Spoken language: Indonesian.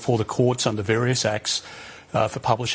dan anda akan diambil sebelumnya di mahkamah di atas beberapa perintah